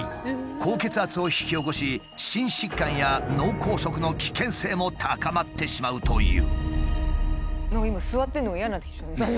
高血圧を引き起こし心疾患や脳梗塞の危険性も高まってしまうという。